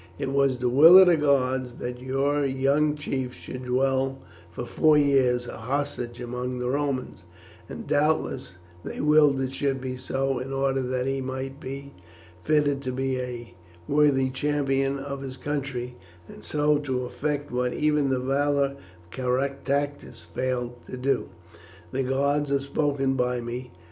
It was the will of the gods that your young chief should dwell for four years a hostage among the Romans, and doubtless they willed it should be so in order that he might be fitted to be a worthy champion of his country, and so to effect what even the valour of Caractacus failed to do. The gods have spoken by me.